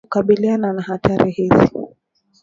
Kukabiliana na hatari hizi